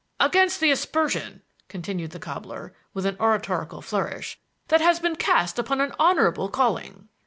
"Against the aspersion," continued the cobbler, with an oratorical flourish, "that has been cast upon a honorable calling."